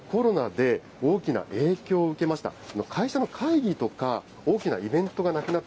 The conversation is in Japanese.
このお店、コロナで大きな影響を受けました。